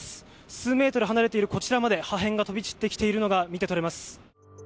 数メートル離れているこちらまで破片が飛び散ってきているのが見てとれます。